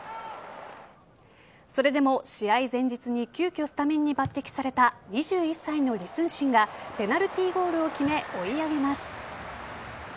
それでも試合前日に急きょスタメンに抜擢された２１歳のリ・スンシンがペナルティーゴールを決め追い上げます。